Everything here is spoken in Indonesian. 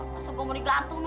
masa gue mau digantung